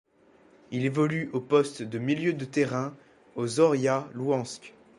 Il évolue au poste de milieu de terrain au Zorya Louhansk.